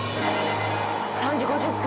３時５０分！